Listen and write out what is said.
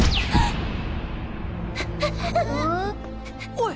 おい！